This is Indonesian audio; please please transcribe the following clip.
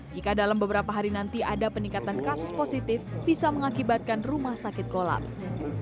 jika dalam beberapa hari nanti ada peningkatan kasus positif bisa mengakibatkan rumah sakit kolaps